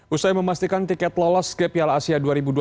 usai memastikan tiket lolos ke piala asia dua ribu dua puluh tiga